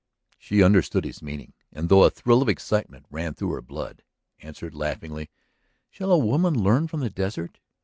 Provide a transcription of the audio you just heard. She understood his meaning and, though a thrill of excitement ran through her blood, answered laughingly: "Shall a woman learn from the desert?